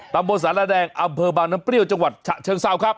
บนสารแดงอำเภอบางน้ำเปรี้ยวจังหวัดฉะเชิงเซาครับ